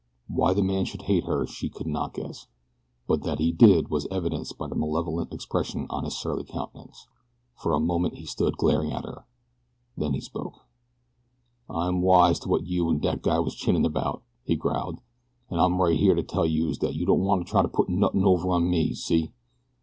Why the man should hate her so she could not guess; but that he did was evidenced by the malevolent expression of his surly countenance. For a moment he stood glaring at her, and then he spoke. "I'm wise to wot youse an' dat guy was chinnin' about," he growled, "an' I'm right here to tell youse dat you don't wanta try an' put nothin' over on me, see?